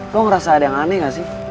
kok ngerasa ada yang aneh gak sih